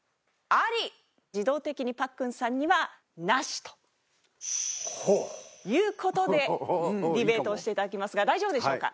自動的にパックンさんにはナシという事でディベートをして頂きますが大丈夫でしょうか？